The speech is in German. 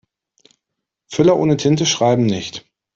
Füller ohne Tinte schreiben nicht.